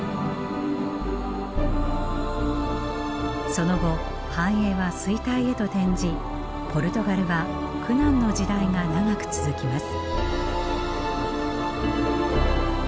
その後繁栄は衰退へと転じポルトガルは苦難の時代が長く続きます。